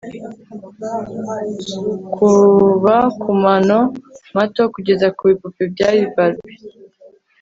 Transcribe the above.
kuva kumano mato kugeza kubipupe bya barbie